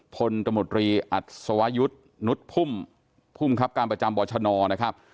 พลตมตรีอัตษวายุทธ์นุทธ์พุ่มผู้บังคับการประจำบอชนนะครับ